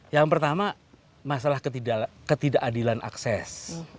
yang pertama masalah ketidakadilan akses